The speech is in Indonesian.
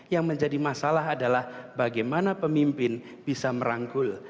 yang menjadi masalah adalah bagaimana pemimpin bisa merangkul